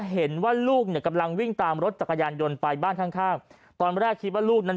เห็นว่าลูกเนี่ยกำลังวิ่งตามรถจักรยานยนต์ไปบ้านข้างข้างตอนแรกคิดว่าลูกนั้น